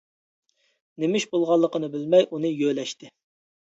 نېمە ئىش بولغانلىقىنى بىلمەي ئۇنى يۆلەشتى.